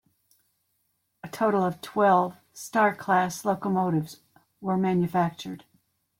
A total of twelve Star Class locomotives were manufactured.